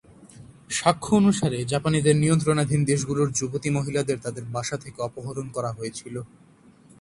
সাক্ষ্য অনুসারে, জাপানিদের নিয়ন্ত্রণাধীন দেশগুলোর যুবতী মহিলাদের তাদের বাসা থেকে অপহরণ করা হয়েছিল।